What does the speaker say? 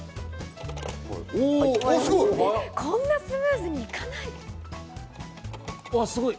こんなスムーズにいかない。